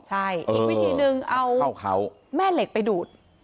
ใช่อีกวิธีหนึ่งเอาแม่เหล็กไปดูด